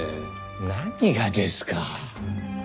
何がですか？